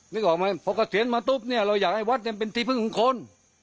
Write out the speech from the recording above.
นึกออกไหมพอเกษียณมาปุ๊บเนี่ยเราอยากให้วัดเนี่ยเป็นที่พึ่งของคน